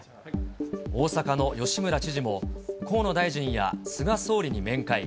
大阪の吉村知事も、河野大臣や菅総理に面会。